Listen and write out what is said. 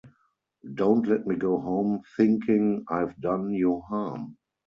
Don’t let me go home thinking I’ve done you harm.